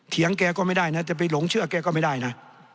แกก็ไม่ได้นะจะไปหลงเชื่อแกก็ไม่ได้นะ